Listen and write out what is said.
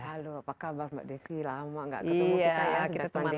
halo apa kabar mbak desi lama tidak ketemu kita ya sejak pandemi